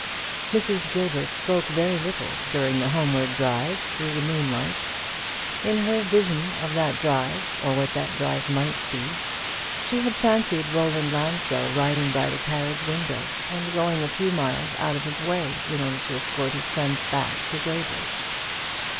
Mrs. Gilbert spoke very little during the homeward drive through the moonlight. In her visions of that drive or what that drive might be she had fancied Roland Lansdell riding by the carriage window, and going a few miles out of his way in order to escort his friends back to Graybridge.